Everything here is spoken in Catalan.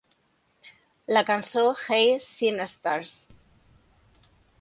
La cançó "Hey Scenesters!"